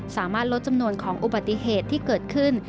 สามารถลดจำนวนของอุบัติเหตุที่เกิดขึ้น